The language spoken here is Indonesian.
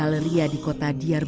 queejiknya di mata